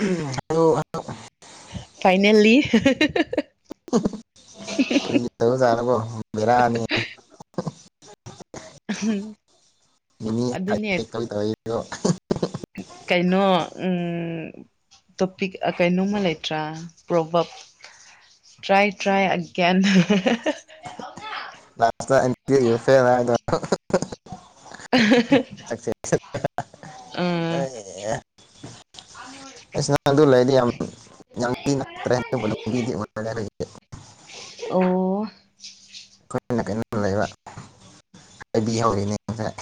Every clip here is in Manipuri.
[unintelligible] ꯐꯥꯏꯅꯦꯜꯂꯤ ꯀꯔꯤ ꯇꯧꯖꯥꯔꯕꯣ ꯕꯦꯔꯥꯑꯅꯤ [unintelligible] [inaudible] ꯑꯗꯨꯅꯦ ꯍꯥꯏꯇꯦꯛ ꯇꯧꯏ ꯇꯧꯏꯗꯣ ꯀꯩꯅꯣ ꯎꯝ ꯇꯣꯄꯤꯛ ꯀꯩꯅꯣꯝꯃ ꯂꯩꯇ꯭ꯔꯥ ꯄ꯭ꯔꯣꯕꯞ ꯇ꯭ꯔꯥꯏ ꯇ꯭ꯔꯥꯏ ꯑꯒꯦꯟ ꯂꯥꯁꯇ [unintelligible] ꯑꯥ ꯁ ꯑꯗꯨ ꯂꯩꯗꯤ ꯌꯥꯝ ꯑꯣ [unintelligible] ꯑꯩꯅ ꯀꯩꯅꯣꯇꯧ ꯂꯩꯕ ꯑꯩꯗꯤ ꯌꯥꯑꯣꯗꯦꯅꯦ ꯉꯁꯥꯏ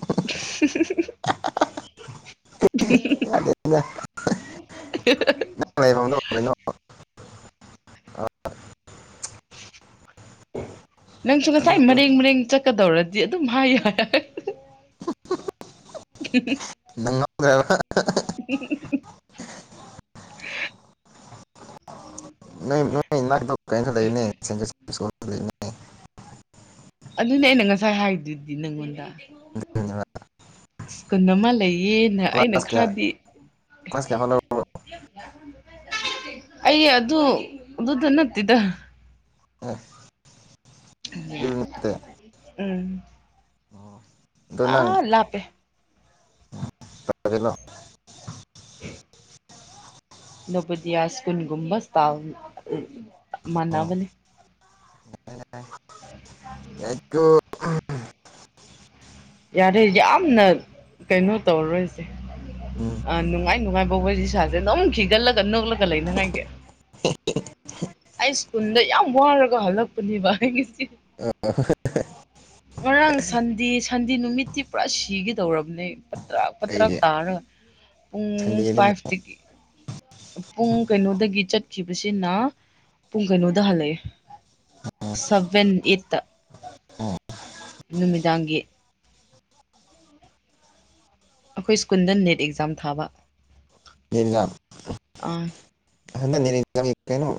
[inaudible] [inaudible] ꯅꯡ ꯂꯩꯥꯏꯕꯝꯗꯣ ꯀꯩꯅꯣ ꯑ ꯅꯡꯁꯨ ꯑꯗꯨ ꯉꯁꯥꯏ ꯃꯔꯦꯡ ꯃꯔꯦꯡ ꯆꯠꯀꯗꯧꯔꯗꯤ ꯑꯗꯨꯝ ꯍꯥꯏꯌ [inaudible] ꯉꯒ꯭ꯔꯕ [inaudible] ꯅꯣꯏ ꯅꯥꯛꯇꯨ ꯀꯩꯅꯁꯨ ꯂꯩꯕꯅꯦ ꯁꯦꯟꯖꯨ [unintelligible] ꯑꯗꯨꯅꯦ ꯑꯩꯅ ꯉꯁꯥꯏ ꯍꯥꯏꯗꯨꯗꯤ ꯅꯡꯉꯣꯟꯗ [unintelligible] [inaudible] ꯁꯀꯟꯅꯃ ꯂꯩ ꯌꯦꯅ ꯑꯩꯅ ꯀ꯭ꯂꯥꯁ ꯀꯌꯥ ꯈꯔꯗꯤ ꯀ꯭ꯂꯥꯁ ꯀꯌꯥꯐꯥꯎ ꯂꯧꯔꯕ꯭ꯔꯣ ꯑꯩ ꯑꯗꯨ ꯑꯗꯨꯗ ꯅꯠꯇꯗ ꯎ [unintelligible] ꯂꯩꯦ [unintelligible] ꯎꯝ ꯑꯗꯣ ꯅꯪ ꯑꯥ ꯂꯥꯛꯄꯦ ꯇꯅꯣ ꯅꯕꫭꯗꯤꯌꯥꯁ ꯏꯁꯀꯨꯟꯒꯨꯨꯝꯕꯁꯇꯥ ꯑꯣ ꯃꯅꯕꯅꯦ ꯌꯥꯨ ꯌꯥꯔꯦ ꯌꯥꯝꯅ ꯀꯩꯅꯣ ꯇꯧꯔꯔꯣꯏꯁꯦ ꯎꯝ ꯅꯨꯡꯉꯥꯏ ꯅꯨꯡꯉꯥꯏꯕ ꯋꯥꯔꯤ ꯁꯥꯥꯁꯦ ꯑꯗꯨꯝ ꯈꯤꯒꯠꯂꯒ ꯅꯣꯛꯂꯒ ꯂꯩꯅꯉꯥꯏꯒꯤ ꯍ [unintelligible] ꯑꯩ ꯁ꯭ꯀꯨꯜꯗ ꯌꯥꯝ ꯋꯥꯔꯒ ꯍꯜꯂꯛꯄꯅꯦꯕ ꯑꯩꯒꯤꯁꯤ ꯉꯔꯥꯡ ꯁꯟꯗꯁ ꯁꯟꯗꯤ ꯅꯨꯃꯤꯠꯇꯤ ꯄꯨꯔꯥ ꯁꯤꯒꯗꯧꯔꯕꯅꯦ ꯇꯥꯛ ꯇꯔ ꯀꯩꯒꯤ ꯇꯥꯔꯒ ꯄꯨꯡ ꯁꯟꯗꯦꯗꯕꯨ ꯐꯥꯏꯚꯇꯒꯤ ꯄꯨꯡ ꯀꯩꯅꯣꯗꯒꯤ ꯆꯠ ꯈꯤꯕꯁꯤꯅ ꯄꯨꯡ ꯀꯩꯅꯣꯗ ꯍꯜꯂꯛꯑꯦ ꯁꯕꯟ ꯏꯠ ꯑꯣ ꯅꯨꯃꯤꯗꯥꯡꯒꯤ ꯑꯩꯈꯣꯏ ꯁ꯭ꯀꯨꯜꯗ ꯅꯦꯠ ꯑꯦꯛꯖꯥꯝ ꯊꯥꯕ ꯑꯥ ꯍꯟꯗ ꯀꯩꯅꯣꯝ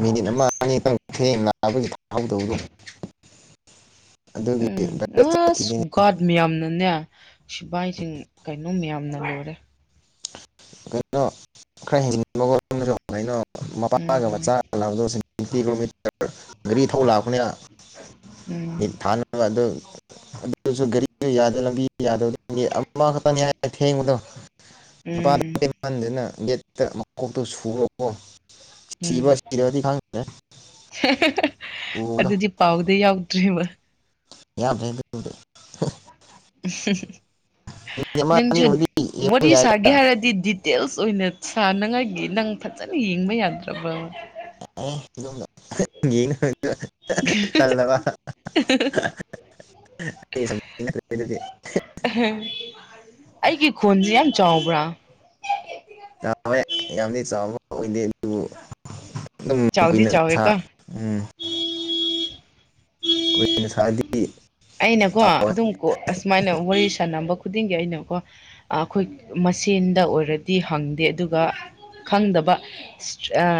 ꯃꯤꯅꯤꯠ ꯑꯃ ꯑꯅꯤꯪ ꯅꯥꯕꯒꯤ ꯐꯗꯧꯕꯗꯣ ꯎꯝ ꯑꯁ ꯒꯥꯔꯗ ꯃꯌꯥꯝꯅꯅꯦ ꯁꯤꯐꯥꯏꯁꯤꯡ ꯀꯣ ꯑꯗꯨꯝ ꯌꯥꯝꯅ ꯂꯨꯔꯦ ꯀꯩꯅꯣ ꯈꯔ ꯍꯤꯡꯅꯤꯡꯕꯒꯩꯅꯣ ꯃꯄꯥꯒ ꯎꯝ ꯃꯆꯥꯒ [unintelligible] ꯂꯧꯥꯡꯗꯕꯁꯤꯡ ꯇꯦꯟꯇꯤ ꯀꯤꯂꯣꯃꯤꯇꯔ ꯒꯥꯔꯤ ꯊꯧ ꯂꯥꯛꯄꯅꯦꯅ ꯎꯝ ꯗꯥꯅ ꯑꯗꯨ ꯑꯗꯨ ꯑꯁꯨ ꯒꯔꯤ ꯌꯥꯗ ꯂꯝꯕꯤ ꯌꯥꯗꯒꯤ ꯑꯃꯈꯛꯇꯅꯤ ꯍꯥꯏꯏ ꯊꯦꯡꯕꯗꯣ [unintelligible] ꯃꯗꯅ ꯎꯝ ꯒꯦꯠꯇ ꯃꯀꯣꯛꯇꯨ ꯁꯨꯈ꯭ꯔꯕꯣ ꯎꯝ ꯁꯤꯕꯔꯗꯤ ꯈꯦ ꯎꯗ [unintelligible] ꯇ꯭ꯔꯤꯍꯤꯃ ꯌꯥꯝ ꯐꯌ‌ꯦꯗ ꯑꯗꯨꯕꯨꯗꯤ ꯃꯤꯅꯤꯠ [unintelligible] ꯑꯃ ꯅꯪꯁꯨ ꯑꯅꯤꯕꯨꯗꯤ ꯌꯦꯡꯕ ꯋꯥꯔꯤ ꯌꯥꯏꯗ ꯁꯥꯒꯦ ꯍꯥꯏꯔꯗꯤ ꯗꯤꯇꯦꯜꯁ ꯑꯁ ꯑꯣꯏꯅ ꯁꯥꯅꯉꯥꯏꯒꯤ ꯅꯪ ꯐꯖꯅ ꯌꯦꯡꯕ ꯌꯥꯗ꯭ꯔꯕꯕꯥ ꯑ ꯑꯩ ꯁꯕꯖꯦꯛ ꯅꯠꯇ꯭ꯔꯦ ꯑꯗꯨꯗꯤ ꯑꯩꯒꯤ ꯈꯣꯟꯁꯤ ꯌꯥꯝ ꯆꯥꯎꯧꯕ꯭ꯔꯥ ꯥꯕ ꯌꯥꯝꯗꯤ ꯆꯥꯎꯥꯕ ꯑꯣꯏꯗꯦ ꯑꯗꯨꯕꯨ [unintelligible] ꯑꯗꯨꯝ ꯆꯥꯎꯗꯤ ꯀꯨꯏꯅ ꯁꯥ ꯆꯥꯎꯋꯦꯀꯣ ꯎꯝ ꯀꯣꯏꯁꯥ [unintelligible] ꯑꯩꯅꯀꯣ ꯑꯗꯨꯝ ꯑꯁꯨꯃꯥꯏꯅ ꯋꯥꯔꯤ ꯁꯥꯟꯅꯕ ꯈꯨꯗꯤꯡꯒꯤ ꯑꯩꯅꯀꯣ ꯑꯩꯈꯣꯏ ꯃꯁꯦꯟꯗ ꯑꯣꯏꯔꯗꯤ ꯍꯪꯗꯦ ꯑꯗꯨꯒ ꯈꯪꯗꯕ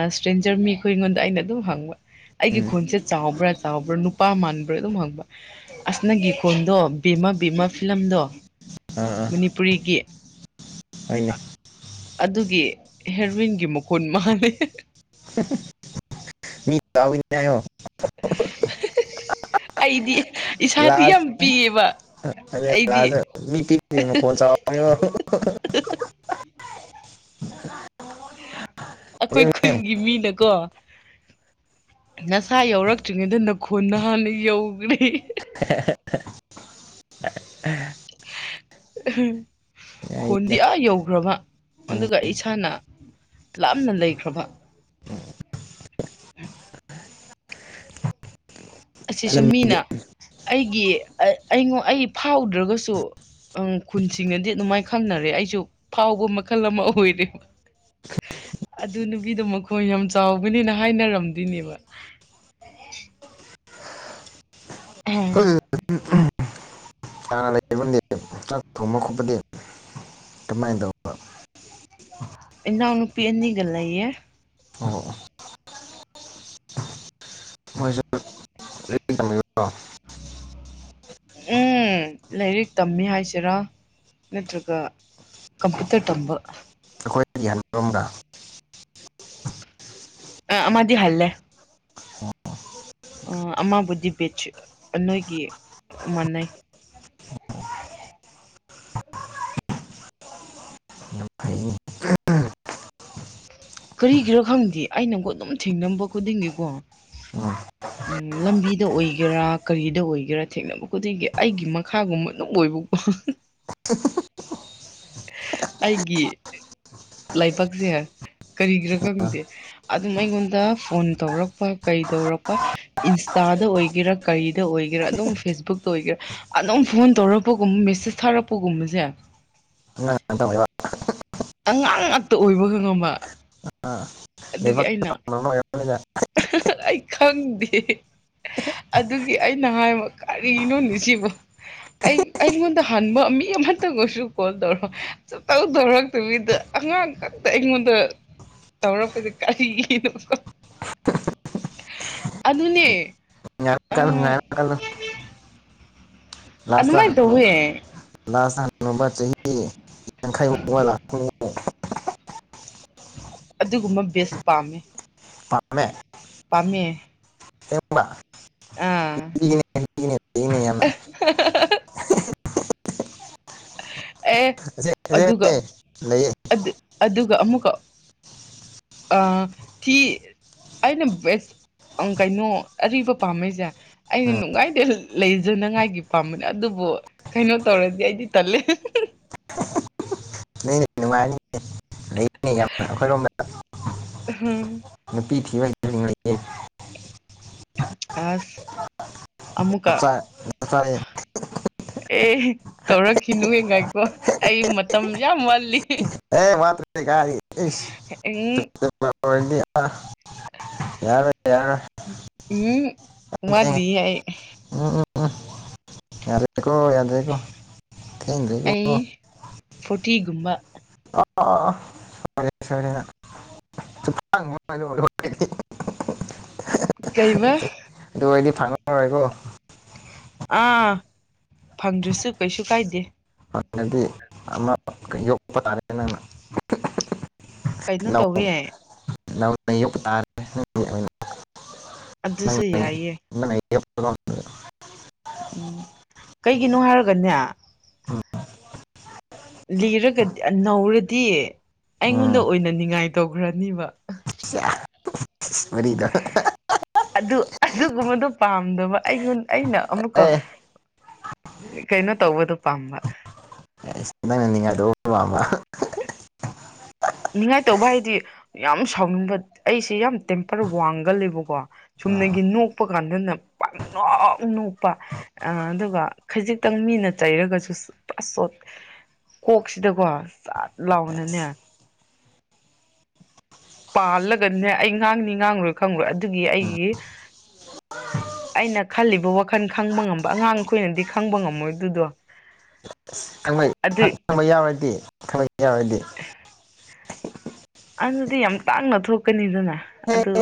ꯏꯁꯇ꯭ꯔꯦꯟꯖꯔ ꯃꯤꯈꯣꯏ ꯑꯩꯉꯣꯟꯗ ꯑꯩꯅ ꯑꯗꯨꯝ ꯍꯪꯕ ꯑꯩꯒꯤ ꯎꯝ ꯈꯨꯟꯁꯦ ꯆꯥꯎꯕ꯭ꯔꯥ ꯆꯥꯎꯕ꯭ꯔꯥ ꯅꯨꯄꯥ ꯃꯥꯟꯕ꯭ꯔꯥ ꯑꯗꯨꯝ ꯍꯪꯕ ꯑꯁꯅꯒꯤ ꯈꯣꯟꯗꯣ ꯕꯤꯃ ꯕꯤꯃ ꯐꯤꯂꯝꯗꯣ ꯃꯅꯤꯄꯨꯔꯤꯒꯤ ꯍꫭꯏꯅꯦ ꯑꯗꯨꯒꯤ ꯍꯦꯔꯋꯟꯒꯤ ꯃꯈꯨꯟ ꯃꯥꯂꯦ ꯃꯤ ꯅꯌꯣ ꯑꯩꯗꯤ ꯏꯁꯥꯗꯤ ꯂꯖ ꯌꯥꯝ ꯄꯤꯌꯦꯕ ꯑꯩꯗꯤ ꯂꯥꯖ ꯃꯤꯠꯇꯤ ꯈꯣꯆꯥꯣ [unintelligible] [unintelligible] ꯑꯩꯈꯣꯏ ꯈꯨꯟꯒꯤ ꯃꯤꯅꯀꯣ ꯅꯁꯥ ꯌꯧꯔꯛꯇ꯭ꯔꯤꯉꯩꯗ ꯅꯨꯞ ꯈꯣꯟꯅ ꯍꯥꯟꯅ ꯌꯧꯈ꯭ꯔꯦ [unintelligible] ꯌꯥꯏꯗ ꯈꯣꯟꯗꯤꯌꯥ ꯌꯧꯈ꯭ꯔꯕ ꯎꯝ ꯑꯗꯨꯒ ꯏꯁꯥꯅ ꯂꯥꯞꯅ ꯂꯩꯈ꯭ꯔꯕ ꯑꯁꯤꯁꯨ ꯅꯪꯗꯤ ꯃꯤꯅ ꯑꯩꯒꯤ ꯑꯩꯉꫭꯟ ꯑꯩ ꯐꯥꯎꯗ꯭ꯔꯒꯁꯨ ꯑꯪ ꯈꯨꯟꯁꯤꯡꯅꯗꯤ ꯑꯗꯨꯃꯥꯏꯅ ꯈꯪꯅꯔꯦ ꯑꯩꯁꯨ ꯐꯥꯎꯕ ꯃꯈꯜ ꯑꯃ ꯑꯣꯏꯔꯦꯕ ꯑꯗꯨ ꯅꯨꯄꯤꯗꯣ ꯃꯈꫭꯟ ꯌꯥꯝ ꯆꯥꯎꯕꯅꯤꯅ ꯍꯥꯏꯅꯔꯝꯗꯣꯏꯅꯦꯕ ꯑꯍꯝ ꯍꯅ ꯂꯩ ꯆꯥꯛ ꯊꯣꯡꯕ ꯈꯣꯠꯄꯗꯤ ꯑꯗꯨꯃꯥꯏꯅ ꯇꯧꯕ ꯏꯅꯥꯎ ꯅꯨꯄꯤ ꯑꯅꯤꯒ ꯂꯩꯌ‌ꯦ ꯑꯣ ꯃꯣꯏꯁꯨ ꯔ ꯇꯝꯕꯤꯕ꯭ꯔꯣ [unintelligible] ꯎꯝ ꯂꯥꯏꯔꯤꯛ ꯇꯝꯃꯤ ꯍꯥꯏꯁꯤꯔꯥ ꯅꯠꯇ꯭ꯔꯒ ꯀꯝꯄ꯭ꯌꯨꯇꯔ ꯇꯝꯕ ꯑꯩꯈꯣꯏ ꯌꯥꯌꯥꯟꯔꯣꯝꯒ ꯑ ꯃꯗꯤ ꯍꯜꯂꯦ ꯑꯥ ꯑꯃꯥꯕꯨꯗꯤ ꯕꯤꯆꯁ ꯅꯣꯏꯒꯤ ꯃꯥꯟꯅꯩ ꯐꯩꯅꯦ ꯀꯔꯤꯒꯤꯔꯥ ꯈꯪꯗꯦ ꯑꯩꯅꯀꫭ ꯑꯗꯨꯝ ꯊꯦꯡꯅꯕ ꯈꯨꯗꯤꯡꯒꯤꯀꯣ ꯎꯝ ꯎꯝ ꯂꯝꯕꯤꯗ ꯑꯣꯏꯒꯦꯔꯥ ꯀꯔꯤꯗ ꯑꯣꯏꯒꯦꯔꯥ ꯊꯦꯡꯅꯕ ꯈꯨꯗꯤꯡꯒꯤ ꯑꯩꯒꯤ ꯃꯈꯥꯒꯨꯝꯕ ꯑꯗꯨꯝ ꯑꯣꯏꯕ ꯑꯩꯒꯤ ꯂꯥꯏꯕꯛꯁꯦ ꯀꯔꯤꯒꯤꯔꯥ ꯈꯪꯗꯦ ꯑꯗꯨꯝ ꯑꯩꯉꯣꯟꯗ ꯐꯣꯟ ꯇꯧꯔꯛꯄ ꯀꯩ ꯇꯧꯔꯛꯄ ꯏꯟꯁꯇꯥꯗ ꯑꯣꯏꯒꯦꯔꯥ ꯀꯔꯤꯗ ꯑꯣꯏꯒꯦꯔꯥ ꯑꯗꯨꯝ ꯐꯦꯁꯕꯨꯛꯇ ꯑꯣꯏꯒꯦꯔꯥ ꯑꯗꯨꯝ ꯐꯣꯟ ꯇꯧꯔꯛꯄꯒꯨꯝꯕ ꯃꯦꯁꯦꯁ ꯊꯥꯔꯛꯄꯒꯨꯝꯕꯁꯦ ꯑꯉꯥꯡ ꯉꯥꯛꯇ ꯑꯣꯏꯕ ꯑꯉꯥꯡ ꯉꯥꯛꯇ ꯑꯣꯏꯕꯒ ꯉꯝꯕ ꯑꯗꯨꯒꯤ ꯂꯥꯏꯕꯛ ꯑꯩꯅ ꯇꯝꯕ ꯑꯃ ꯑꯣꯏꯔꯝꯅꯤꯗ ꯑꯩ ꯈꯪꯗꯦ ꯑꯗꯨꯒꯤ ꯑꯩꯅ ꯍꯥꯏꯕ ꯀꯔꯤꯅꯣꯅꯤ ꯁꯤꯕꯨ ꯑꯩ ꯑꯩꯉꯣꯟꯗ ꯍꯟꯕ ꯃꯤ ꯑꯃꯇꯪꯑꫭꯏꯔꯁꯨ ꯀꯣꯜ ꯇꯧꯔꯣꯑꫭ ꯁꯨꯡꯇꯧ ꯇꯧꯔꯛꯇꯕꯤꯗ ꯑꯉꯥꯡ ꯈꯛꯇ ꯑꯩꯉꯣꯟꯗ ꯇꯧꯔꯛꯄꯁꯦ ꯀꯔꯤꯒꯤꯅꯣ ꯑꯗꯨꯅꯦ ꯑꯥ [inaudible] [inaudible] ꯑꯗꯨꯃꯥꯏꯅ ꯇꯧꯋꯦ ꯊꯕꯥ [inaudible] ꯆꯍꯤ ꯌꯥꯡꯈꯩꯃꯥꯎꯕ ꯂꯥꯛ [inaudible] ꯑꯗꯨꯒꯨꯝꯕ ꯕꯦꯁ ꯄꯥꯝꯃꯦ ꯄꯥꯝꯃꯦ ꯄꯥꯝꯃꯦ ꯁꯦꯝ ꯏ ꯎꯝ ꯑ ꯑꯦ ꯑꯁꯦ ꯑꯗꯨꯒ ꯑꯁꯦꯡꯕꯅꯦ ꯂꯩꯌꯦ ꯑꯗꯨꯒ ꯑꯃꯨꯛꯀ ꯑ ꯊꯤ ꯑꯩꯅ ꯕꯦꯁ ꯀꯩꯅꯣ ꯑꯔꯤꯕ ꯄꯥꯝꯃꯩꯁꯦ ꯑꯩꯅ ꯎꯝ ꯅꯨꯡꯉꯥꯏꯗꯤ ꯂꯩꯖꯅꯉꯥꯏꯒꯤ ꯄꯥꯝꯕꯅꯦ ꯑꯗꯨꯕꯨ ꯀꯩꯅꯣ ꯇꯧꯔꯗꯤ ꯑꯩꯗꯤ ꯇꯂꯦ ꯅꯨꯡꯉꯥꯏꯔꯤ ꯂꯩꯔꯤꯅꯦ ꯌꯥꯝꯅ ꯑꯩꯈꯣꯏꯔꯣꯝꯗ ꯍꯝ ꯅꯨꯄꯤ ꯊꯤ ꯑꯁ ꯑꯃꯃꯨꯀ ꯆꯞ ꯆꯥ ꯆꯞ ꯆꯥꯏꯌꯦ ꯑꯦ ꯇꯧꯔꯛꯈꯤꯅꯨ ꯍꯉ ꯀꯣ ꯑꯩ ꯃꯇꯝ ꯌꯥꯝ ꯋꯥꯜꯂꯤ ꯑꯦꯃꯥ ꯀꯔꯤ ꯎꯝ ꯌꯥꯔ ꯌꯥ ꯎꯝ ꯋꯥꯠꯂꯤꯌꯦ ꯎ ꯌꯥꯔ [inaudible] ꯇꯤꯒꯨꯝꯕ ꯑꯔꯦ ꯁꯔꯦꯗꯤ ꯀꯩꯕ ꯀꯣꯏꯂꯤ ꯐꯥꯅꯔꯦꯀꯣ ꯑꯥ ꯐꯪꯗ꯭ꯔꯁꯨ ꯀꯩꯁꯨ ꯀꯥꯏꯗꯦ ꯑꯗꯨꯗꯤ ꯑꯃ ꯌꯣꯛꯄ ꯇꯥꯔꯦ ꯅꯪꯅ ꯀꯩꯅꯣ ꯇꯧꯋꯤ ꯌꯥꯏ ꯅꯅꯌꯣꯛ ꯇꯥꯔꯦ [unintelligible] ꯑꯣꯏꯅ ꯑꯗꯨꯁꯨ ꯅꯪꯅ ꯌꯥꯏꯌ‌ꯦ [unintelligible] ꯎꯝ [unintelligible] ꯀꯩꯒꯤꯅꯣ ꯍꯥꯏꯔꯒꯅꯦ ꯂꯤꯔꯒꯗꯤ ꯅꯧꯔꯗꯤ ꯑꯩꯉꯣꯟꯗ ꯎꯝ ꯑꯣꯏꯅꯅꯤꯡꯉꯥꯏ ꯇꯧꯈ꯭ꯔꯅꯤꯕ ꯃꯔꯤꯗ [unintelligible] ꯑꯗꯨ ꯑꯗꯨꯒꯨꯝꯕꯗꯣ ꯄꯥꯝꯗꯕ ꯑꯩꯉꯣꯟ ꯑꯩꯅ ꯑꯃꯨꯛꯀ ꯑꯦ ꯀꯩꯅꯣ ꯇꯧꯕꯗꯨ ꯄꯥꯝꯕ ꯑꯁ ꯅꯪꯅ ꯅꯤꯡꯉꯥꯏ ꯇꯧꯕꯗꯨ ꯄꯥꯝꯕ ꯅꯤꯡ ꯉꯥꯏ ꯇꯧꯕ ꯍꯥꯏꯗꯤ ꯌꯥꯝ ꯁꯥꯎꯅꯤꯡꯕ ꯑꯩꯁꯦ ꯌꯥꯝ ꯇꯦꯝꯄꯔ ꯋꯥꯡꯒꯜꯂ‌ꯦꯕꯀꯣ ꯑꯥ ꯆꯨꯝꯅꯒꯤ ꯅꯣꯛꯄ ꯀꯥꯟꯗꯅ ꯄꯪ ꯅ‌ꯣꯛ ꯅꯣꯛꯄ ꯑꯗꯨꯒ ꯈꯖꯤꯛꯇꯪ ꯃꯤꯅ ꯆꯩꯔꯒꯁꯨ ꯄꯠ ꯆꯣꯠ ꯀꯣꯛꯁꯤꯗꯀꯣ ꯆꯠ ꯂꯥꯎꯅꯅꯦ ꯑꯁ ꯄꯥꯜꯂꯒꯅꯦ ꯑꯩ ꯉꯥꯡꯅꯤ ꯉꯥꯡꯉꯔꯣꯏ ꯈꯪꯉꯣꯏ ꯑꯗꯨꯒꯤ ꯑꯩꯒꯤ ꯑꯩꯅ ꯈꯜꯂꯤꯕ ꯋꯥꯈꯜ ꯈꯪꯕ ꯉꯝꯕ ꯑꯉꯥꯡꯈꯣꯏꯅꯗꯤ ꯈꯪꯕ ꯉꯝꯃꯣꯏ ꯑꯗꯨꯗꯣ ꯈꯪ ꯑꯗꯨ ꯈꯪꯕ ꯌꯥꯎꯔꯗꯤ ꯈꯪꯕ [unintelligible] ꯌꯥꯎꯔꯗꯤ ꯑꯗꯨꯗꯤ ꯌꯥꯝ ꯇꯥꯡꯅ ꯊꯣꯛꯀꯅꯤꯗꯅ ꯑꯗꯨ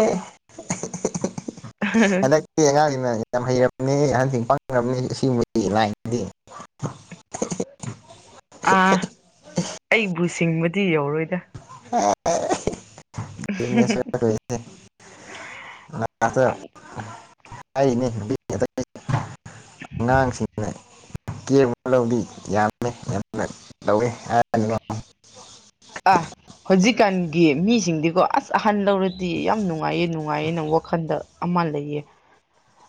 ꯍꯟꯇꯛꯇꯤ ꯑꯉꯥꯡꯁꯤꯡꯅ ꯌꯥꯝ ꯍꯩ [unintelligible] ꯑꯍꯟꯁꯤꯡ ꯄꯥꯡꯅꯔꯕꯅꯦ ꯁꯤꯒꯨꯝꯕꯒꯤ ꯂꯥꯏꯟꯗꯤ [unintelligible] ꯑꯥ ꯑꯩꯕꯨ ꯁꯤꯡꯕꯗꯤ ꯌꯧꯔꯣꯏ ꯗꯥ ꯑ [unintelligible] ꯅꯦꯁꯦ ꯑ [unintelligible] ꯑꯩꯅꯦ [unintelligible] [unintelligible] ꯑꯉꯥꯡꯁꯤꯡꯅ ꯀꯦꯕ [unintelligible] ꯂꯧꯗꯤ ꯌꯥꯝꯃꯦ ꯌꯥꯝꯅ ꯂꯧꯋꯦ ꯑ ꯍꯧꯖꯤꯛꯀꯥꯟꯒꯤ ꯃꯤꯁꯤꯡꯗꯤꯀꯣ ꯑꯁ ꯑꯍꯟ ꯂꯧꯔꯗꯤ ꯌꯥꯝ ꯅꯨꯡꯉꯥꯏꯌꯦ ꯅꯨꯡꯉꯥꯏꯌꯦꯅ ꯋꯥꯈꯜꯗ ꯑꯃ ꯂꯩꯌꯦ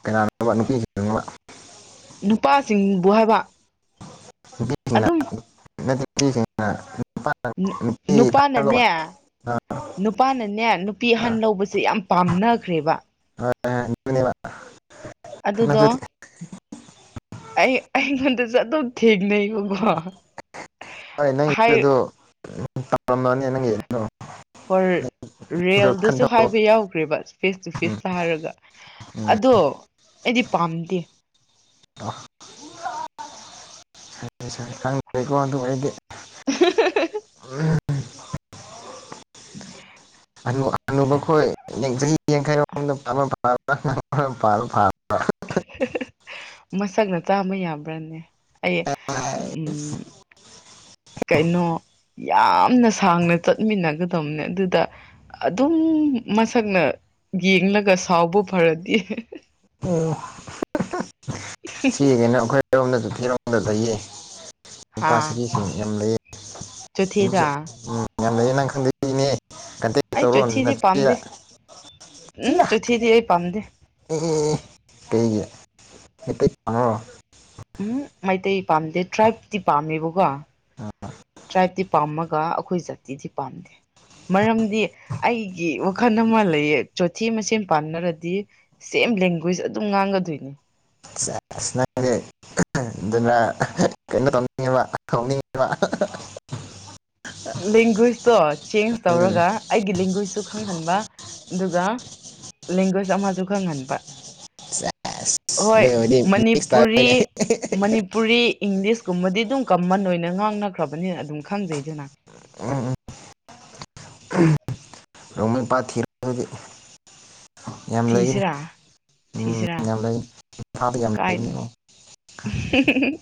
ꯀꯅꯥꯅ‌ꯣꯕ ꯅꯨꯄꯤꯁꯤꯡꯂ‌ꯣꯕ ꯅꯨꯄꯥꯁꯤꯡꯕꯨ ꯍꯥꯏꯕ ꯑꯗꯨꯝ ꯅꯨꯄꯤꯁꯤꯡꯅ ꯅ [unintelligible] ꯁꯤꯡꯅ ꯅꯨꯄꯥꯅꯅꯦ ꯑ ꯅꯨꯄꯥꯅꯅꯦ ꯅꯨꯄꯤ ꯑ ꯑꯍꯟ ꯂꯧꯕꯁꯦ ꯌꯥꯝ ꯄꯥꯝꯅꯈ꯭ꯔꯦꯕ [unintelligible] ꯑꯗꯨꯗꯣ ꯅꯪꯁꯨ ꯑꯩ ꯑꯩꯉꯣꯟꯗꯁꯨ ꯑꯗꯨꯝ ꯊꯦꯡꯅꯩ [unintelligible] ꯍꯣꯏ ꯅꯪꯒꯤ ꯗꯤ ꯑꯗꯣ ꯇꯞꯂꯝꯃꯅꯤ ꯅꯪꯒꯤ ꯑꯗꯣ ꯔꯔ ꯔꯤꯌꯦꯜꯗꯁꯨ ꯈꯟꯊꯧ ꯍꯥꯏꯕ ꯌꯥꯎꯈ꯭ꯔꯦꯕ ꯐꯦꯁ ꯇꯨ ꯎꯝ ꯐꯦꯁꯇ ꯍꯥꯏꯔꯒ ꯎꯝ ꯑꯗꯣ ꯑꯩꯗꯤ ꯄꯥꯝꯗꯦ [unintelligible] ꯈꯪꯗ꯭ꯔꯦꯀꯣ ꯑꯗꯨ ꯑꯩꯗꯤ ꯎꯝ [unintelligible] ꯍꯍ ꯍ ꯍ ꯍ ꯃꯁꯛꯅ ꯆꯥꯕ ꯌꯥꯕ꯭ꯔꯥꯅꯦ ꯑꯩ ꯎꯝ ꯀꯩꯅꯣ ꯌꯥꯝꯅ ꯁꯥꯡꯅ ꯆꯠꯃꯤꯟꯅꯒ ꯗꯝꯅꯦ ꯑꯗꯨꯗ ꯑꯗꯨꯝ ꯃꯁꯛꯅ ꯌꯦꯡꯂꯒ ꯁꯥꯎꯕ ꯐꯔꯗꯤ ꯏ ꯍꯦ ꯍꯦ ꯑꯣ ꯑ ꯍ ꯍ ꯏꯆꯦꯒꯩꯅ ꯑꯈꯣꯏ ꯊꯤꯔꯣꯝꯗꯁꯨ ꯊꯤꯔꯣꯝꯗꯁꯨ ꯂꯩꯌꯦ ꯍꯥ ꯅꯨꯄꯥꯥ ꯁꯔꯤꯁꯤꯡ ꯌꯥꯝ ꯂꯩꯌꯦ ꯆꯣꯊꯤꯗ [unintelligible] ꯎꯝ ꯌꯥꯝ ꯂꯩꯌꯦ ꯅꯪ ꯈꯪꯗ ꯏꯅꯦ ꯑꯩ ꯆꯨꯊꯤꯗꯤ ꯄꯥꯝꯗꯦ ꯎꯝ ꯆꯣꯊꯤꯗꯤ ꯑꯩ ꯄꯥꯝꯗꯦ ꯑꯦ ꯑꯦ ꯑꯦ ꯀꯩꯒꯤ ꯃꯤꯇꯩ ꯄꯥꯝꯕ꯭ꯔꯣ ꯎꯝ ꯃꯩꯇꯩ ꯄꯥꯝꯗꯦ ꯇ꯭ꯔꯥꯏꯕꯇꯤ ꯄꯥꯝꯃꯦꯕꯀꯣ ꯇ꯭ꯔꯥꯏꯕꯇꯤ ꯄꯥꯝꯃꯛ ꯀꯥ ꯑꯈꯣꯏ ꯖꯥꯇꯤꯗꯤ ꯄꯥꯝꯗꯦ ꯃꯔꯝꯗꯤ ꯑꯩꯒꯤ ꯋꯥꯈꯜ ꯑꯃ ꯂꯩꯌꯦ ꯆꯣꯊꯤ ꯃꯁꯦꯟ ꯄꯥꯝꯅꯔꯗꯤ ꯁꯦꯝ ꯂꯦꯡꯒ꯭ꯋꯦꯖ ꯑꯗꯨꯝ ꯉꯥꯡꯒꯗꯣꯏꯅꯤ ꯁꯦꯖ ꯅꯪꯗꯤ ꯎꯝ ꯑꯗꯨꯅ ꯑꯍ ꯀꯩꯅꯣ ꯇꯧꯅꯤꯡꯉꯤꯕ ꯍꯧꯅꯤꯡꯉꯤꯕ ꯍꯥ ꯍꯥ ꯍꯥ ꯂꯦꯡꯒ꯭ꯋꯦꯁꯇꯣ ꯆꯦꯟꯖ ꯎꯝ ꯇꯧꯔꯒ ꯑꯩꯒꯤ ꯂꯦꯡꯒ꯭ꯋꯦꯖꯁꯨ ꯈꯪꯍꯟꯕ ꯑꯗꯨꯒ ꯂꯦꯡꯒ꯭ꯋꯦꯁ ꯑꯃꯁꯨ ꯈꯪꯍꯟꯕ ꯁꯦꯁ ꯍꯣꯏ ꯅꯣꯏ ꯑꯣꯏꯗꯤ ꯃꯤꯛꯁ ꯃꯅꯤꯄꯨꯔꯤ ꯇꯥꯔꯦꯅꯦ ꯃꯅꯤꯄꯨꯔꯤ ꯏꯪꯂꯤꯁꯀꯨꯝꯕꯗꯤ ꯑꯗꯨꯝ ꯀꯃꯟ ꯑꯣꯏꯅ ꯉꯥꯡꯅꯈ꯭ꯔꯕꯅꯤꯅ ꯑꯗꯨꯝ ꯈꯪꯖꯩꯗꯅ ꯎꯝ ꯎꯝ ꯎꯝ ꯔꯣꯡꯃꯩ ꯄꯥꯠ ꯊꯤꯔꯣ ꯑꯗꯨꯗꯤ ꯌꯥꯝ ꯂꯩꯒꯅꯤ ꯊꯤꯁꯤꯔꯥ ꯎꯝ ꯌꯥꯝ ꯂꯩ ꯀꯥꯏ ꯅꯦ ꯍꯨꯝ ꯍꯨꯝ ꯍꯨꯝ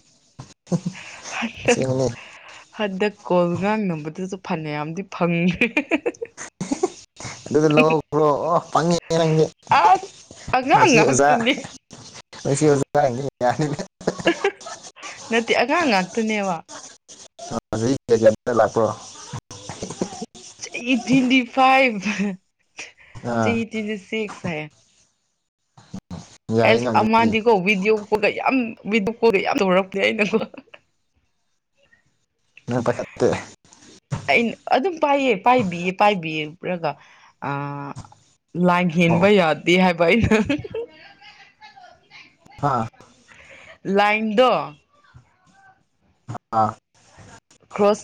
ꯍꯍ ꯑꯁꯦꯡꯕꯅꯦ ꯍꯟꯗꯛ ꯀꯣꯜ ꯉꯥꯡ ꯅꯝꯕꯗꯁꯨ ꯐꯅꯌꯥꯝꯗꯤ ꯐꯪꯒ꯭ꯔꯦ ꯍꯦ ꯍꯦ ꯍꯦ ꯍꯦ ꯍꯦ ꯍꯦ ꯑꯗꯨꯗ ꯂꯧꯍꯧꯔꯣ ꯑꯣ ꯄꯪꯉꯤꯍꯦ ꯅꯪꯖꯤ ꯑꯁ ꯑꯍꯤ ꯑꯍꯤ ꯑꯉꯥꯡ ꯃꯁꯤ ꯑꯣꯖꯥ ꯉꯥꯛꯇꯅꯦ ꯃꯁꯤ ꯑꯣꯖꯥ ꯌꯥ [unintelligible] ꯍꯍ ꯅꯠꯇꯦ ꯑꯉꯥꯡ ꯉꯥꯛꯇꯅꯦꯕ [unintelligible] ꯂꯥꯛꯄ꯭ꯔꯣ ꯑꯩ ꯇ꯭ꯋꯤꯟꯇꯤꯐꯥꯏꯚ ꯑꯥ [inaudible] [unintelligible] ꯑꯦꯁ ꯌꯥꯏꯅ ꯑꯗꯨꯗꯤ ꯑꯃꯗꯤꯀꯣ ꯕꯤꯗꯤꯑꯣꯒ ꯌꯥꯝ [unintelligible] [unintelligible] ꯑꯩꯅ ꯑꯗꯨꯝ ꯄꯥꯏꯌꯦ ꯄꯥꯏꯕꯤꯌꯦ ꯄꯥꯏꯕꯤꯔꯒ ꯑ ꯂꯥ ꯏꯟ ꯍꯟꯕ ꯑꯣ ꯌꯥꯗꯤ ꯍꯥꯏ ꯥꯑꯩꯅ ꯍꯥꯥ ꯂꯥꯏꯟꯗꯣ ꯑꯥ ꯀ꯭ꯔꯣꯁ